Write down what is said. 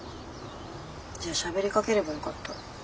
じゃあしゃべりかければよかった。